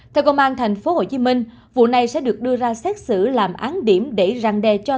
theo công an tp hcm vụ này sẽ được đưa ra xét xử làm án điểm để răng đe cho